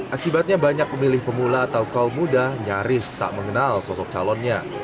akibatnya banyak pemilih pemula atau kaum muda nyaris tak mengenal sosok calonnya